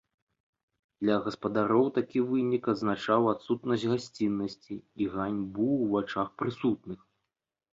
Для гаспадароў такі вынік азначаў адсутнасць гасціннасці і ганьбу ў вачах прысутных.